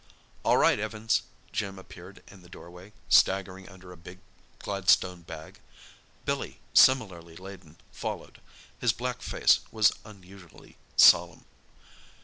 "All right, Evans!" Jim appeared in the doorway, staggering under a big Gladstone bag. Billy, similarly laden, followed. His black face was unusually solemn.